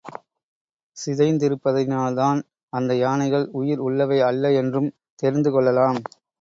சிதைந்திருப்பதினால்தான் அந்த யானைகள் உயிர் உள்ளவை அல்ல என்றும் தெரிந்து கொள்ளலாம்.